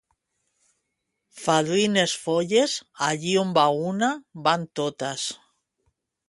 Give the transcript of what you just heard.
Fadrines folles, allí on va una, van totes.